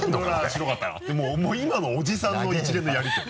もう今のおじさんの一連のやりとり。